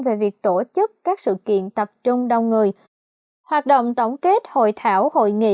về việc tổ chức các sự kiện tập trung đông người hoạt động tổng kết hội thảo hội nghị